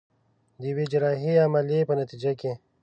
د يوې جراحي عمليې په نتيجه کې.